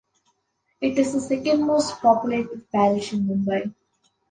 It is the second most populated parish in Mumbai.